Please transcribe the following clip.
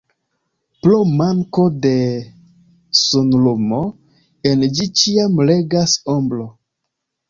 Pro manko de sunlumo, en ĝi ĉiam regas ombro.